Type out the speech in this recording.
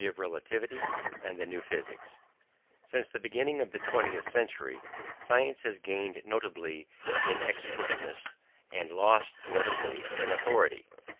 III REVOLUTIONS IN SCIENCE Since the beginning of the twentieth century, science has gained notably in expertness, and lost notably in authority.